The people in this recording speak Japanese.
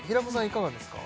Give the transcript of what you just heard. いかがですか